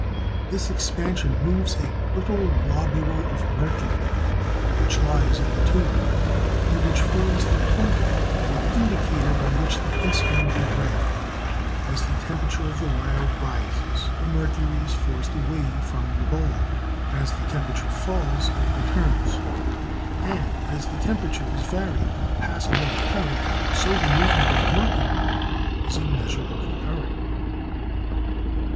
This expansion moves a little globule of mercury which lies in the tube, and which forms the pointer or indicator by which the instrument is read. As the temperature of the wire rises the mercury is forced away from the bulb, as the temperature falls it returns. And as the temperature is varied by the passage of the current, so the movement of the mercury is a measure of the current.